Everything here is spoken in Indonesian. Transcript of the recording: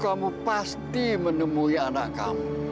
itu gila toh si tante